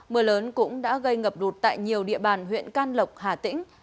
mưa lớn cũng đã gây ngập lụt tại nhiều địa bàn huyện can lộc hà tĩnh